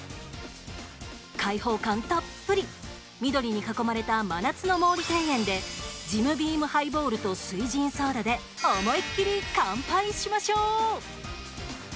開放感たっぷり緑に囲まれた真夏の毛利庭園でジムビームハイボールと翠ジンソーダで思い切り乾杯しましょう。